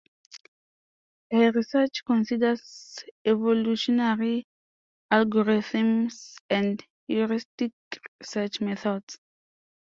Her research considers evolutionary algorithms and heuristic search methods.